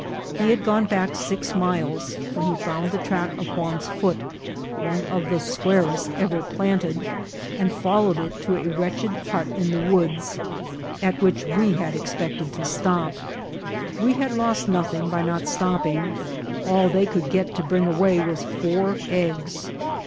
He had gone back six miles when he found the track of Juan's foot, one of the squarest ever planted, and followed it to a wretched hut in the woods, at which we had expected to stop. We had lost nothing by not stopping; all they could get to bring away was four eggs.